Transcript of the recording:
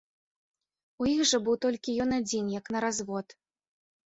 У іх жа быў толькі ён адзін як на развод.